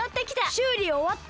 しゅうりおわった？